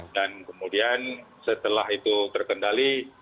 dan kemudian setelah itu terkendali